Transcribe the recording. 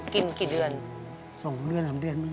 กินกี่เดือน